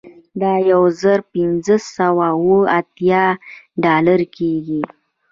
دا یو زر پنځه سوه اوه اتیا ډالره کیږي